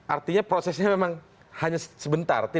artinya prosesnya memang hanya sebentar